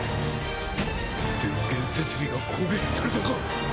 電源設備が攻撃されたか！